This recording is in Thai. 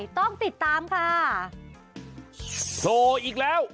โถออีกแล้ว